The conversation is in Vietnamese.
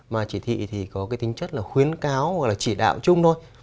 mà chỉ thị thì có cái tính chất là khuyến cáo hoặc là chỉ đạo chung thôi